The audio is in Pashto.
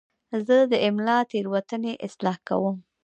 زه د املا تېروتنې اصلاح کوم.